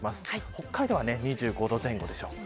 北海道は２５度前後でしょう。